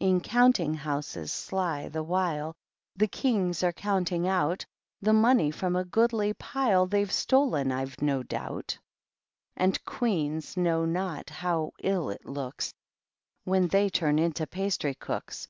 In Counting Houses sly, the while, The Kings are counting out The Money from a goodly pile They^ve stolen, I have no doubt. And Queens know not how ill it looks When they turn into pastry cooks.